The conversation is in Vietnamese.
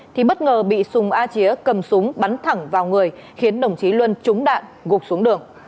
thì bất ngờ bị sùng a chía cầm súng bắn thẳng vào người khiến đồng chí luân trúng đạn gục xuống đường